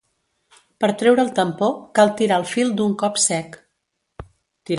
Per treure el tampó cal tirar el fil d'un cop sec.